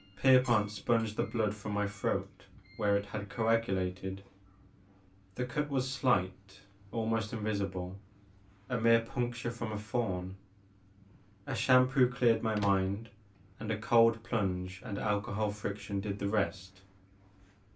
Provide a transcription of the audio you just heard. Pierpont sponged the blood from my throat where it had coagulated. The cut was slight, almost invisible, a mere puncture from a thorn. A shampoo cleared my mind, and a cold plunge and alcohol friction did the rest.